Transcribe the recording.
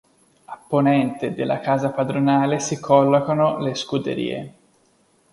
A ponente della casa padronale si collocano le scuderie.